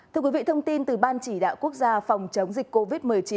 thưa quý vị thông tin từ ban chỉ đạo quốc gia phòng chống dịch covid một mươi chín